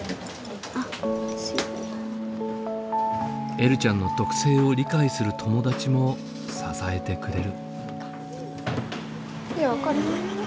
えるちゃんの特性を理解する友達も支えてくれる。